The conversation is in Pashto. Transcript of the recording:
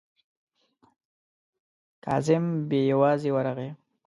کازم بې یوازې ورغی.